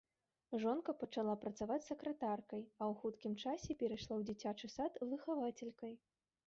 Жонка пачала працаваць сакратаркай, а ў хуткім часе перайшла ў дзіцячы сад выхавацелькай.